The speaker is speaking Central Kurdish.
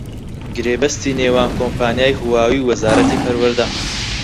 گرێبەستی نێوان کۆمپانیای هواوی و وەزارەتی پەروەردە